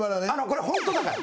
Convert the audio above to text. これホントだから。